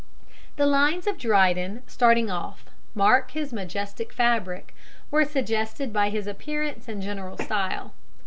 The lines of Dryden starting off "Mark his majestic fabric" were suggested by his appearance and general style.